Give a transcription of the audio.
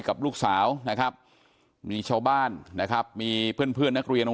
กับลูกสาวนะครับมีชาวบ้านนะครับมีเพื่อนเพื่อนนักเรียนของ